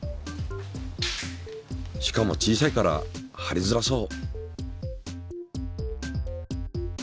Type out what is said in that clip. しかも小さいからはりづらそう。